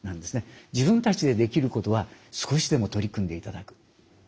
自分たちでできることは少しでも取り組んでいただく。